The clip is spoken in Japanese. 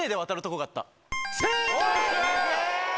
正解！